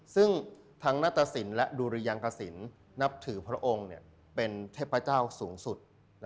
ซึ่งทั้งนัตตสินและดุริยังกสินนับถือพระองค์เป็นเทพเจ้าสูงสุด